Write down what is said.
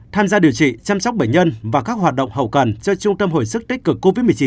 tham gia điều trị chăm sóc bệnh nhân và các hoạt động hậu cần cho trung tâm hồi sức tích cực covid một mươi chín